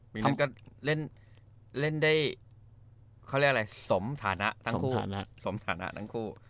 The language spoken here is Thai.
ปีนั้นก็เล่นได้สมฐานะทั้งคู่